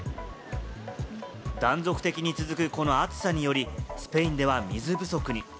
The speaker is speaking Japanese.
断続的に続くこの暑さにより、スペインでは水不足に。